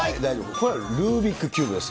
これはルービックキューブです。